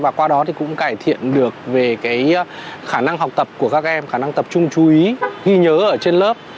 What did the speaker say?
và qua đó thì cũng cải thiện được về khả năng học tập của các em khả năng tập trung chú ý ghi nhớ ở trên lớp